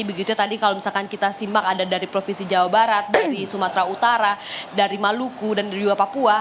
begitu tadi kalau misalkan kita simak ada dari provinsi jawa barat dari sumatera utara dari maluku dan dari juga papua